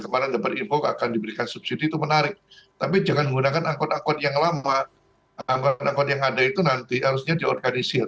berbadan hukum sehingga mudah dikendalikan